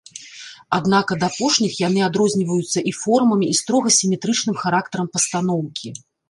Аднак ад апошніх яны адрозніваюцца і формамі, і строга сіметрычным характарам пастаноўкі.